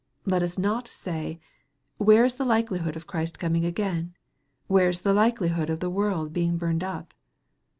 Let us not say, " Where is the likelihood of Christ coming again ? Where is the likelihood of the world being burned up